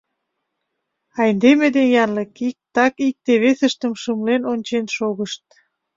Айдеме ден янлык ик тат икте-весыштым шымлен ончен шогышт.